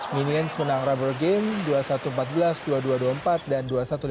minions menang rubber game dua puluh satu empat belas dua puluh dua dua puluh empat dan dua puluh satu lima belas